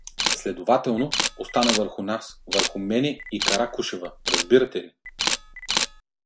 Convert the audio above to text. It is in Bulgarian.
Следователно, остана върху нас, върху мене и Каракушева, разбирате?